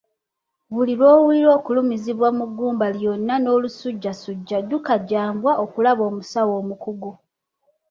Buli lw'owulira okulumizibwa mu gumba lyonna n'olusujjasujja dduka gya mbwa okulaba omusawo omukugu